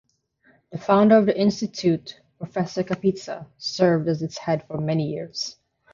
The founder of the Institute, Professor Kapitsa served as its head for many years.